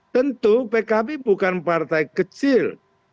tentu pkb bukan partai kecil